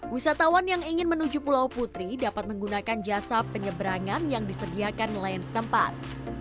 wisatawan yang ingin menuju pulau putri dapat menggunakan jasa penyeberangan yang disediakan nelayan setempat